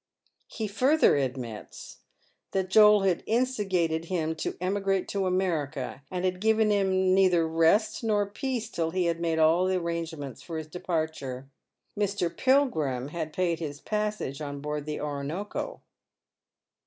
He further admits that Joel had instigated him t(» emigrate to America, and had given him neither rest nor peace till he had made all arrangements for his departure. Mr. Pilgrim had paid his passage on board the Oronoko.